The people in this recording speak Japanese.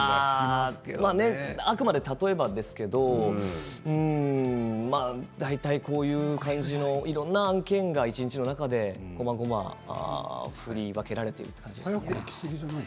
あくまで例えばですけど大体こういう感じのいろんな案件が一日の中でこまごま振り分けられているという感じですね。